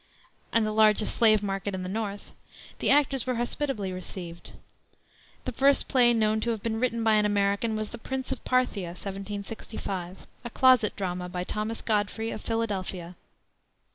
and the largest slave market in the North, the actors were hospitably received. The first play known to have been written by an American was the Prince of Parthia, 1765, a closet drama, by Thomas Godfrey, of Philadelphia.